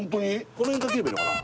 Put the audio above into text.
この辺から切ればいいのかな？